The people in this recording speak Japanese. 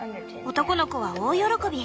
男の子は大喜び。